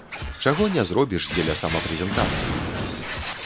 Чаго не зробіш дзеля самапрэзентацыі!